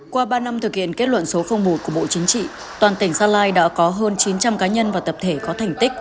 qua ba năm thực hiện kết luận số một của bộ chính trị toàn tỉnh gia lai đã có hơn chín trăm linh cá nhân và tập thể có thành tích